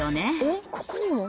えっここにも？